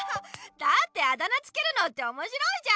だってあだ名つけるのっておもしろいじゃん。